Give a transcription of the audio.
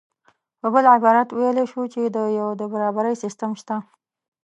په بل عبارت ویلی شو چې یو د برابرۍ سیستم شته